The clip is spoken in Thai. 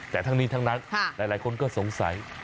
แต่ทั้งนี้ทั้งนั้นหลายคนก็สงสัย